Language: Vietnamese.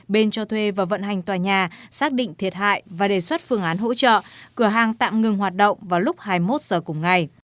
bên cho thuê và vận hành tòa nhà xác định thiệt hại và đề xuất phương án hỗ trợ cửa hàng tạm ngừng hoạt động vào lúc hai mươi một giờ cùng ngày